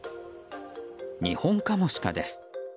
ニホンカモシカです。